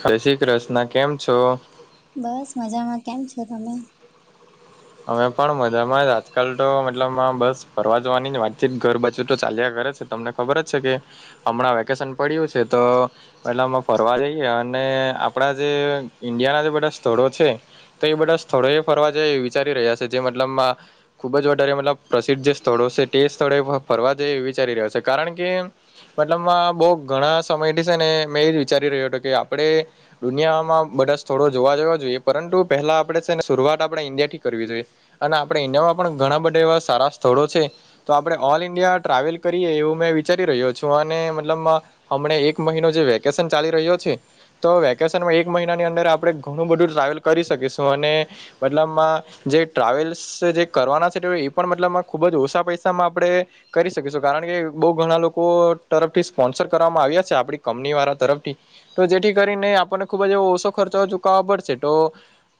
હય શ્રી કૃષ્ણ કેમ છો. બસ મજામાં કેમ છો તમે. અમે પણ મજામાં જ આજકાલ તો મતલબ આમાં બસ ફરવા જવાની વાતચીત ઘર બાજું તો ચાલ્યા કરે છે તમને ખબર જ છે કે હમણાં વેકેશન પડ્યું છે તો. એટલામાં ફરવા જઈએ અને આપડા જે ઈન્ડિયાના જે બધા સ્થળો છે. તો એ બધા સ્થળોએ ફરવા જાય વિચારી રહ્યા છે જે મતલબમાં ખૂબ જ વધારે મતલબ પ્રસિદ્ધ જે સ્થળો છે તે સ્થળે ફરવા જઈ વિચારી રહ્યો છે કારણ કે મતલબ બહુ ઘણા સમયથી છે ને મેં એજ વિચારી રહ્યો હતો કે આપણે દુનિયામાં બદસ થોડો જોવા જોવા જોઈએ પરંતુ પેહલા આપે છે ને શરૂઆત આપણેે ઇન્ડિયા થી કરવી જોઈએ અને આપણે ઇન્ડિયામાં પણ ઘણા બધા એવા સારા સ્થળો છે. તો આપડણે ઓલ ઈન્ડિયા ટ્રાવેલ કરીએ એવું મેં વિચારી રહ્યો છું અને મતલબ હમણા એક મહિનો જે વેકેશન ચાલી રહ્યો છે. તો વેકેશનમાં એક મહિનાની અંદર આપણે ઘણું બધું ટ્રાવેલ કરી શકીશું અને મતલબમાં જે ટ્રાવેલ્સ જે કરવાના છે એ પણ મતલબમાં ખૂબ જ ઓછા પૈસામાં આપણે કરી શકીશું કારણ કે બહુ ઘણા લોકો તરફથી સ્પોન્સર કરવામાં આવ્યા છે આપણી કંપની વાળા તરફથી તો જેથી કરીને આપણને ખુબ જ એવો ઓછો ખર્ચ ચૂકવવા પડશે તો.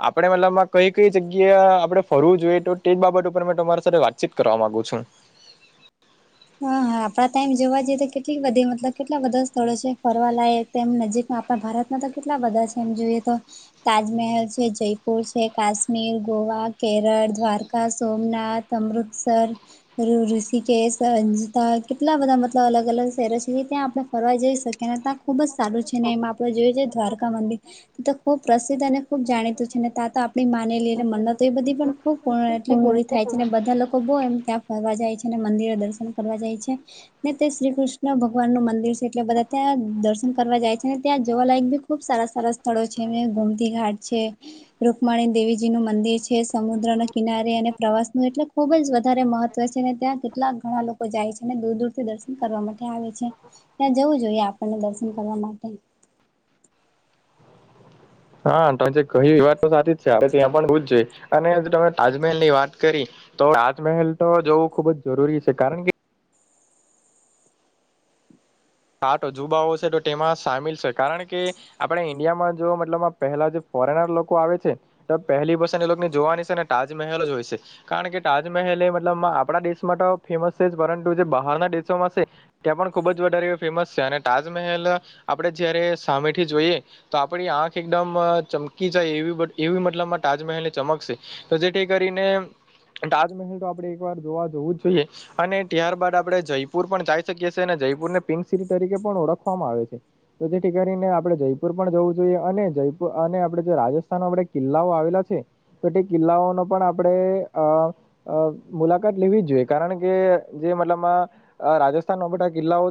આપડે મતલબમાં કઈ કઈ જગ્યા આપડે ફરવું જોઈએ તો તે જ બાબત ઉપર મે તમારી સાથે વાતચીત કરવા મામાંગુ છું. હા હા આપડા ટાઈમ જોવા જઈએ તો કેટલી બધી મતલબ કેટલા બધા સ્થળો છે ફરવાલાયક. તેમ નજીકમાં આપણા ભારતમાં તો કેટલા બધા છે એમ જોઈએ તો તાજમહેલ છે જયપુર છે કાશ્મીર ગોવા કેરળ દ્વારકા સોમનાથ અમૃતસર ઋષિકેશ સંજતા કેટલા બધા મતલબ અલગ અલગ શહેરો છે જે ત્યાં આપણે ફરવાઈ જઈ શકીએ અનેને ત્યાં ખૂબ જ સારું છે ને એમાં આપડે જોયએ છેએ દ્વારકા મંદિર તો ખૂબ પ્રસિદ્ધ અને ખુબ જાણીતું છે ને તા તો આપણી માને લઈ મ તો એ બધી પણ ખૂબ પૂર્ણ એટલે પૂરી થાય છે ને બધા લોકો બહુ એમ ત્યાં ફરવા જાય છે અને મંદિર દર્શન કરવા જાય છે ને તે શ્રી કૃષ્ણ ભગવાન નું મંદિર છે એટલે બધા ત્યાં દર્શન કરવા જાય છે ને ત્યાં જવાલાયક બી ખુબ સારા સારા સ્થળો છે ગોમતી ઘાટ છે. રૂકમાણી દેવીજી નું મંદિર છે સમુદ્ર ના કિનારે અને પ્રવાસનું એટલે ખુબ જ વધારે મહત્વ છે ને ત્યાં કેટલાક ઘણા લોકો લોકો જાય છે દૂર દૂરથી દર્શન કરવા માટે આવે છે ત્યાં જવું જોઈએ આપણને દર્શન કરવા માટે હા તમે જે કહ વાત તો સાચી જ છે આપ ત્યાં પણ હોવ જ જોઈએ અને તમે તાજમહેલ ની વાત કરી. તો તાજમહેલ તો જવું ખુબ જ જરૂરી છે કારણ કે કાટો જુબાઓ છે તો તેમાં સામેલ છે કારણ કે આપડે ઈન્ડિયામાં જો મતલબ પેહેલા જે ફોરેનર લોકો આવે છે તો પહેલી વસે એ લોકોની જોવાની છે ને તાજમહેલ જ હોય છે કારણ કે તાજમહેલ એ મતલબ આપણા દેશ માટે તો ફેમસ છે જ પરંતુ જે બહારના દેશોમાં છે ત્યાં પણ ખુબ જ વધારે ફેમસ છે અને તાજમહેલ આપણેે જયારે સામેથી જોઈએ તો આપડી આંખ એકદમ ચમકી જાય એવી એવી મતલબમાં તાજમહેલ ને ચમકશે તો જેથી કરીને તાજમહેલ તો આપડે એક વાર જોવા જવું જ જોઈએ અને ત્યારબાદ આપડણે જયપુર પણ જઈ શકીએ છીએ અને જયપુર ને પિંક સિટી તરીકે પણ ઓળખવામાં આવે છે તો જેથી કરીને આપણે જયપુર પણ જવું જોઈએ અને જયપુર અને આપણેે જે રાજસ્થાનમાં આપડે કિલ્લાઓ આવેલા છે તો કિલ્લાઓનો પણ આપણેે અ અ મુલાકાત લેવી જ જોઈએ કારણ કે જે મતલબમાં રાજસ્થાન ના બધા કિલ્લાઓ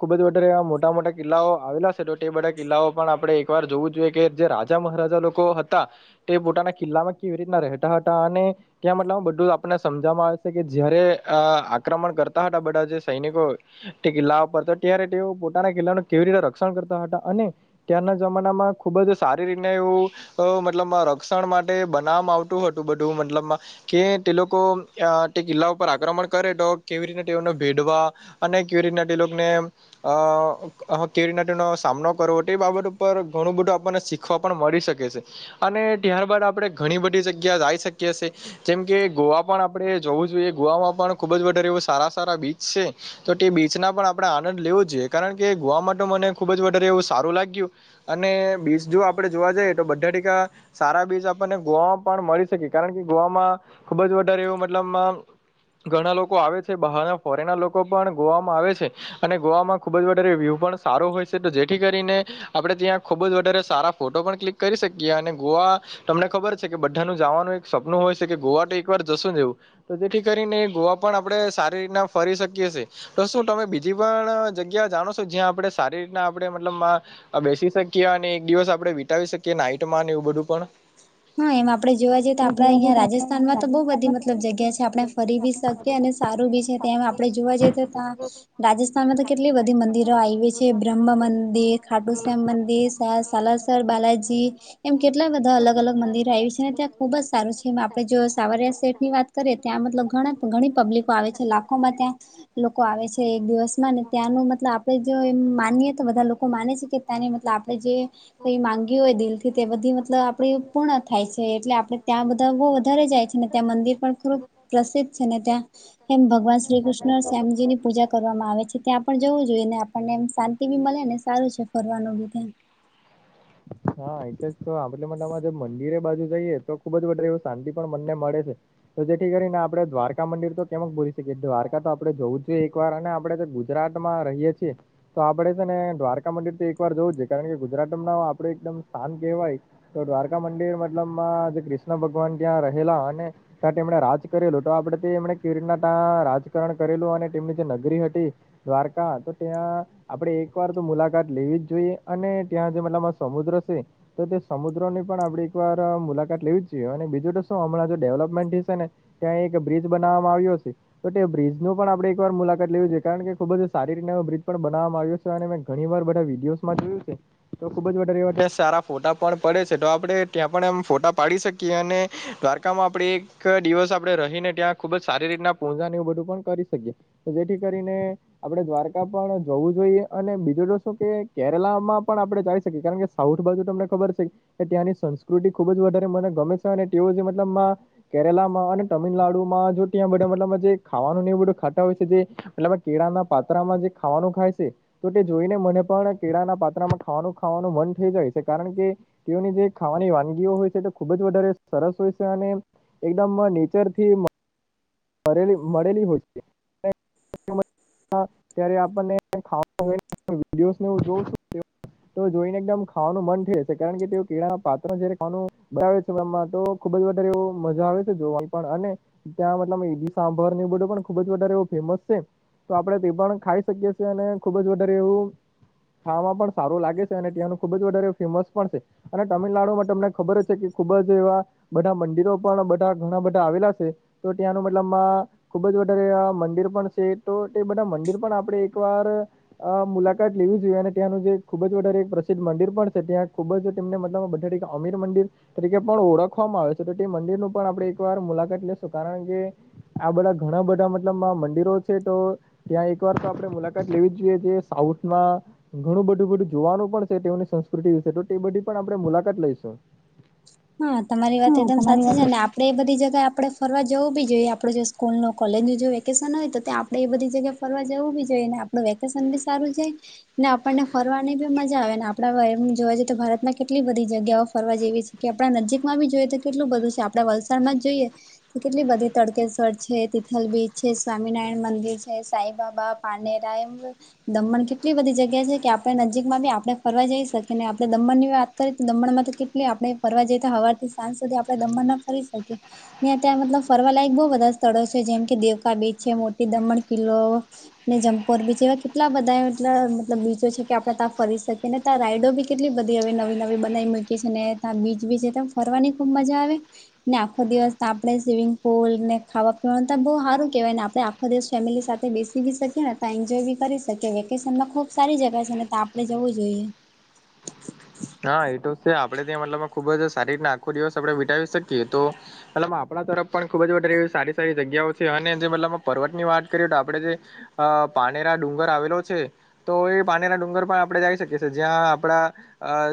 ખુબ જ વધારે મોટા મોટા કિલ્લાઓ આવેલા છે તો એ બધા કિલ્લાઓ પણ આપણે એક વાર જોવું જોઈએ કે જે રાજ મહારાજા લોકો હતા તે પોતાના કિલ્લામાં કેવી રીતના રહેતા હતા અને ત્યાં મતલ બધું આપને સમજવામાં આવે છે કે જયારે આક્રમણ કરતા હતા બધા જે સૈનિકો તે કિલ્લા પરતા ત્યારે તેઓ પોતાના કિલ્લાનું કેવી રીતે રક્ષણ કરતા હતા અને ત્યાારના જમાનામાં ખુબ જ સારી રીતને એવું અ મતલબ રક્ષણ માટે બનામ આવતું હતું બધું મતલબમાં કે તે લોકો તે કિલ્લા ઉપર આક્રમણ કરે તો કેવી રીતે તેઓને ભેડવા અને ક્યુરીટ નાિલોને અ કે રના નો સામનો કરવો તે બાબત ઉપર ઘણું બધું આપણને સીક - શીખવા પણ મળી શકે છે અને ત્યારબાદ આપણે ઘણી બધી જગ્યા જઈ શકીએીએ જેમ કે ગોવા પણ આપણે જોવું જોઈએ ગોવામાં પણ ખુબ જ વારે એવ સારા સારા બીચ છે તો તે બીચના પણ આપણે આનંદ લેવો જ જોઈએ કારણ કે ગોવાવામાં મને ખુબ જ વધારે એવું સારું લાગ્યું અને બીસ જો આપડે જોવા જઈએ તો બધા ટકા સારા બીજ આપણને ગોવામાં પણ મળી શકે કારણ કે ગોવામાં ખુબ જ વધારે એવું મતલબ ઘણા લોકો આવે છે બહાર ના ફોરેન લોકો પણ ગોવામાં આવે છે અને ગોવામાં ખુબ જ વધારે વ્યૂ પણ સારો હોય છે તો જેથી કરીને આપડણે ત્યાં ખુબ જ વધારે સારા ફોટો પણ ક્લિક કરી શકીએ અને ગોવા તમને ખબર છે કે બધાનું જવાનું એક સપનું હોય છે કે ગોવા તો એક વાર જશું જેવું તો જેથી કરીને એ ગોવા પણ આપણે સારી રીતના ફરી શકીએીએ તો શું તમે બીજી પણ જગ્યા જાણો છો જ્યાં આપણે સારી રીતના આપણે મતલબમાં આ બેસી શકીએ અને એક દિવસ આપડણે વિતાવી શકીએ નાઈટમાં અને એવું બધું પણ હા એમ આપણે જોવા જઈએ તો આપણા અહંયા રાજસ્થાનમાં તો બહુ બધી મતલબ જગ્યા છે આપણે ફરી બી સ અને સારું બી છે તેમ આપડે જોવા જઈએ તો ત રાજસ્થાન માં તો કેટલી બધી મંદિરો આવી છે બ્રહ્મ મંદિર ખાટુશ્યામ મંદિર સાલાસર બાલાજી એમ કેટલા બધા અલગ અલગ મંદિર આવી છે ને ત્યાં ખૂબ જ સારું છે એ આપણે જો સાવરિયા સેટની વાત કરીએ તો ત્યાં મતલબ ઘણા ઘણી પબ્લિકો આવે છે લાખોમાં ત્યાં લોકો આવે છે એક દિવસમાં અને ત્યાંનું મતલબ આપણેે જો એમ માનીએ તો બધા લોકો માને છે કે ત્યાંની મતલબ આપણે જે કઈ માંગી હોય દિલ થી તે બધી મતલબ આપ પૂર્ણ થાય છે એટલે આપણે ત્યાં બધા બુ વધારે જાય છે ને ત્યાં મંદિર પણ ખું પ્રસિદ્ધ છે ને ત્યાં એમ ભગવાન શ્રી કૃષ્ણ શ્યામજી ની પૂજા કરવામાં આવે છે ત્યાં પણ જવું જોઈએ ને આપણને શાંત ી મળે ને સારું છે ફરવાનું બી ત્યા હા એ તો આટલા માટેામાં મંદિરે બાજુ જઈએ તો ખુબ જારે એવ શાંતિ પણ મનને મળે છે તો જેથી કરીને આપડણે દ્વારકા મંદિર તો કેમક ભૂલી શકીએ દ્વારકા તો આપડે જોવું જોઈએ એકવાર અને આપડ ગુજરાત માં રહીએ છીએ તો આપડે છે ને દ્વારકા મંદિર તો એક વાર જોવું જ છે કારણ કે ગુજરાત આપડે એકદમ શાન કહેવાય તો દ્વારકા મંદિર મતલબમાં જે ક્રિષ્ણ ભગવાન ત્યાં રહેલા હો ને ત્યાં તેમ એમણે રાજ કરેલું તો આપડ એમણે કિરીટના ત રાજકારણ કરેલું અને તેમની જે નગરી હતી દ્વારકા તો ત્યાં આપડે એક વાર તો મુલાકાત લેવી જ જોઈએ અને ત્યાં જે મતલબ સમુદ્ર સ. તો તે સમુદ્રો ની પણ આપણે એક વાર મુલાકાત લેવી જ જોઈએ અને બીજું તો શું હમણાં જો ડેવલપમેન્ટ હશે ને. ત્યાં એક બ્રિજ બનાવવામાં આવ્યો છે. તો બ્રિજ ન પણ આપણે એક વાર મુલાકાત લેવીું છે કારણ કે ખુબ જ સારી રીતેનો બિજ પણ બનાવવામાં આવ્યો છે. મેં ઘણી વાર બધા વિડીયોસમાં જોયું છે. તો ખૂબ જ વારે એવા ત્યાં સારા ફોટા પણ પડે છે તો આપણે ત્યાં પણ એમ ફોટા પાડી શકીએ અને. દ્વારકામાં આપણે એક દિવસ આપડે રહીને ત્યાં ખુબ જ સારી રીતના પૂજા ને એવું બધું પણ કરી શકીએ. તો જેથી કરીને. આપડે દ્વારકા પણ જોવું જોઈએ અને બીજું તો શું કે કેરલા માં પણ આપડણે જઈ. કારણ કે સાઉથ બાજુ તમને ખબર છે. કે ત્યાંની સંસ્કૃતિ ખુબ જ વધારે મને ગમે છે અને તેઓ જે મતલબ. કેરલામાં અને તમિલનાડુમાં જો ત્યા બધા મતલબ જે ખાવાનું એવું બધું ખાતા હોય છે જે. એટલે કેળાના પાત્રામાં જે ખાવાનું ખાય છે તો તે જોઈને મને પણ કેળાના પાત્રામાં ખાવાનું. ખાવાનું મન થઈ જાય છે કારણ કે. તેઓની જે ખાવાની વાનગીઓ હોય છે તે ખુબ જ વધારે સરસ હોય છે અને. એકદમ નેચર થી. લી મળેલી હોય છે ત્યારે આપણને ખ વિડીને હ જોઉ. તો જોઈને એકદમ ખાવાનું મન થ છે કારણ કે તેઓ કેળા પાત્ર જ ખાવાનું બનાવે છે તો. ખુબ જ વધારે એવ મજા આવે છે જોવાની પણ અને ત્યાં. એ સાંભર એ બધો પણ ખુબ જ વધારે એવો ફેમસ છે. તો આપડણે તે પણ ખાઈ શકીએ છીએ અને ખુબ જ વધારે એવું. ખાવામાં પણ સારું લાગે છે અને ત્યાંનું ખુબ જ વધારે ફેમસ પણ છે. અને તામિલનાડુમાં તમને ખબર છે કે ખુબ જ એવા. બધા મંદિરો પણ બધા ઘણા બધા આવેલા છે તો ત્યાંનું મતલબ. ખુબ જ વધારે મંદિર પણ છે તો એ બધા મંદિર પણ આપણે એક વાર. અ મુલાકાત લેવી જોઈએ અને ત્યાંનું જે ખુબ જ વધારે એક પ્રસિદ્ધ મંદિર પણ છે ત્યાં ખુબ જ. તેમને મતલબ બધા ટ અમીર મંદિર. તરીકે પણ ઓળખવામાં આવે છે તો તે મંદિરનું પણ આપણે એકવાર મુલાકાત લેશું કારણ કે. આ બધા ઘણા બધા મતલબ મંદિરો છે તો. ત્યાં એક વાર તો આપણે મુલાકાત લેવી જ જોઈએ જે સાઉથમાં. ઘણું બધું બધું જોવાનું પણ છે તેઓની સંસ્કૃતિ વિશે તો તે બધી પણ આપણે મુલાકાત લઈશું. હા તમારી વાત એકદમ સાચી છે ને આપ. આપણે એ બધી જગ્યાએ આપણે ફરવા જવું બી જોઈએ આપણે જો સ્કૂલનું કોલેજનું જો વેકેશન હોય તો્યાં. આપણે એ બધી જગ્યા ફરવા જવું બી જોઈએ ને આપણું વેકેશન બી સારું છે. ને આપણને ફરવાની બી મજા આવે ને આપણા જોવા જઈએ તો ભારતમાં કેટલી બધી જગ્યાઓ ફરવા જેવી છે. કે આપણા નજીકમાં બી જોઈએ તો કેટલું બધું છે આપડા વલસાડમાં જ જોઈએ. તો કેટલી બધી તળકેશ્વર છે તિથલ બીચ છે સ્વામિનારાયણ મંદિર છે સાઈ બાબા. પડને ટાઈમ. દમણ કેટલી બધી જગ્યા છે કે આપણે નજીકમાં બી આપણે ફરવા જઈ શકીએ ને આપણે દમણની વાત. કરી દમણ માં તો કેટલી આપણે ફરવા જઈ હવારથી સાંજ સુધી આપણે દમણ ના ફરી શકીએ. ત્યાં મતલબ ફરવાલાયક બહુ બધા સ્થળો છે જેમ કે દેવકા બીચ છે મોટી દમણ કિલ્લો. ને જમ્પોર બીચ એવા કેટલા બધા એબ બીચો છે કે આપણે ત્યાં ફરી શકીએ ને. રાઈડો બી કેટલી બધી હવે નવી નવી બનાવી મૂકી છે ને ત્યાં બીચ બીચ ફરવાની ખુબ મજા આવે. ને આખો દિવસ આપણે સ્વિમિંગ પુલ ને ખાવા પીવાનું તો બહુ સારું કેહેવાય ને આપડે. ધ ફેમિલી સાથે બેસી બ શકીએ ને ત્યા એન્જોય બી શકીએ વેકેશનમાં ખૂબ સારી જગ્યા છેને તા. આપણે જવું જોઈએ. હ. હા એ તો છે આપડે ત્યાં મતલબ ખુબ જ સારી રીત આખો દિવસ આપડણે વિતાાવી શકીએ તો. મતલબ આપણા તરફ પણ ખૂબ જ વધારે એવી સારી સારી જગ્યાઓ છે અને જે મતલબ પર્વત ની વાત કરીએ તો આપણે જે. અ પાનેરા ડુંગર આવેલો છે. તો એ પાણીના ડુંગર પણ આપણે જઈ શકીએ છીએ જ્યાં આપડા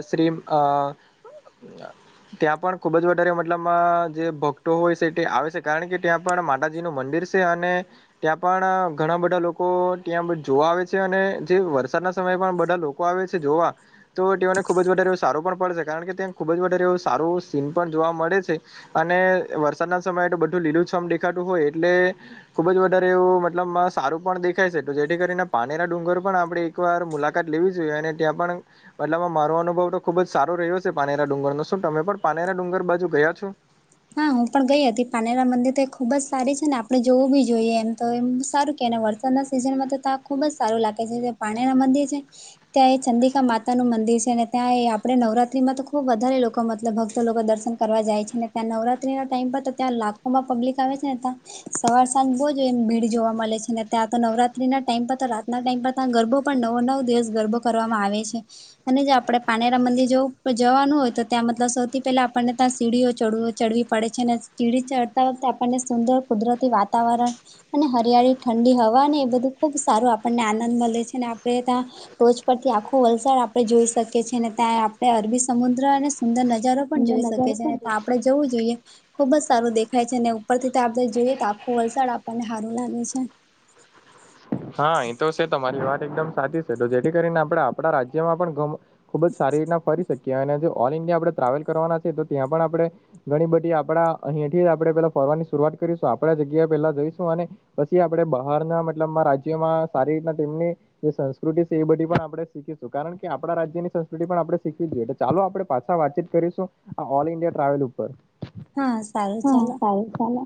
શ્રી. ત્યાં પણ ખુબ જ વધારે મતલબમાં જે ભક્તો હોય છે તે આવે છે કારણ કે ત્યાં પણ માતાજી ન મંદિર છે. સ આને. ત્યાં પણ ઘણા બધા લોકો ત્યાં જોવા આવે છે અને જે વરસાદના સમયે પણ બધા લોકો તું આવે છે જોવા. ને ખૂબ જ વધારે એવું સારું પણ પડશે કારણ કે ત્યાં ખુબ જ વધારે એવું સારું સીન પણ જોવા મળે છે. અને વરસાદના સમયે તો બધું લીલું સમ દેખાતું હોય એટલે ખુબ જ વધારે એવું મતલબ સારું પણ દેખાય છે જેથી કરીને પાણીના ડુંગર પણ આપણે એક વાર મુલાકાત લેવી જોઈએ અને ત્યાં પણ એટલામાં મારો અનુભવ તો ખુબ જ સારો રહ્યો છે પાનેરા ડુંગર નનો શું તમે પણ પાનેરા ડુંગર બાજુ ગયા છો? હા હું પણ ગઈ હતી પાનેરા મંદિર તો એ ખુબ જ સારી છે ને આપણે જોવું બી જોઈએ એમ તો એમ સારું કેને વર્ત સીઝનમાં તો તા ખુબ જ સારું લાગે છે જે પાણી ના મંદીર છે. ત્યાં એ ચંદિકા માતા નું મંદિર છે અને ત્યાં એ આપણે નવરાત્રી માં તો ખૂબ વધારે લોકો મતલબ ભક્તો લોકો દર્શન કરવા જાય છે ને ત્યાં નવરાત્રી ના ટાઈમ પર તો ત્યાં લાખોમાં પબ્લિક આવે છે ને સવાર સાંજ બહુ આમ ભીડ જોવા મળે છે ને ત્યાં તો નવરાત્રી ના ટાઈમ પર તો રાતના ટાઈમ પર તા ગરબો પણ નવો નવો દિવસ ગરબો કરવામાં આવે છે. અને જો આપણે પાનેરા મંદિર જઉં જવાનું હોય તો ત્યાં મતલબ સૌ પહેલા આપને ત્યાં સીડીઓ ચડવ ચડવી પડે છે અને ચીડી ચડતા વખતે આપણને સુંદર કુદરતી વાતાવરણ અને હરિયાળી ઠંડી હવા એ બધું ખુબ સારું આપણને આનંદ મળે છે અને આપણે ત્યાં ટોચ પરથી આખું વલસાડ આપડે જોઈ શકીએ છીએ ને ત્યાં આપણે અરબી સમુદ્ર અને સુંદર નજા બજારો પણ જોઈ શકે છે ને આપણેે જવું જોઈએ. ખુબ જ સારું દેખાય છે ને ઉપર થી આપણે જોઈએ તો આખું વલસાડ આપણને સારું લાગે છે. હા એ તો છે તમારી વાત એકદમ સાચી છે તો જેથી કરીને આપણે આપણા રાજ્યમાં પણ કમ ખુબ જ સારી રીતના ફરી શકીએ અને જે ઓલ ઇન્ડિયા આપડણે ટ્રાવેલ કરવાના છે તો ત્યાં પણ આપણે ઘણી બધી આપડા અહીંયાથી આપડે પેલા ફરવાની શરૂઆત કરીશું આપણા જગ્યાએ પેલા જઈશું અને પછી આપડે બહારના મતલબમાં રાજ્યમાં સારી રીતના તેમની જે સંસ્કૃતિ છે એ બધી પણ આપણે શીખીશું કારણ કે આપણા રાજ્યની સંસ્કૃતિ પણ આપડે શીખવી જોઈએ. ચાલો આપડે પાછા વાતચીત કરીશું આ ઓલ ઇન્ડિયા ટ્રાવેલ ઉપર હા સારું હા ચાલો ચાર ચાલે.